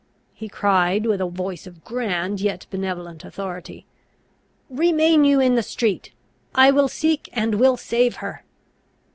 he cried, with a voice of grand, yet benevolent authority. "Remain you in the street! I will seek, and will save her!"